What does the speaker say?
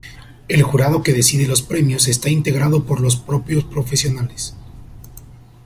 El jurado que decide los premios está integrado por los propios profesionales.